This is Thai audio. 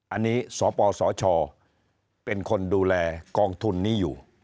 อันนี้สปสชเป็นคนดูแลกองทุนนี้อยู่